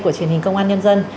của truyền hình công an nhân dân